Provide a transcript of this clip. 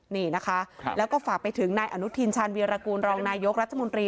นี่นะคะแล้วก็ฝากไปถึงนายอนุทินชาญวีรกูลรองนายกรัฐมนตรี